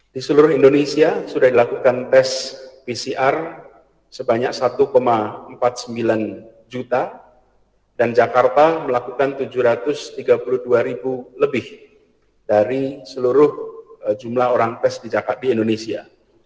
di seluruh indonesia sudah dilakukan tes pcr sebanyak satu empat puluh sembilan juta dan jakarta melakukan tujuh ratus tiga puluh dua ribu lebih dari seluruh jumlah orang tes di indonesia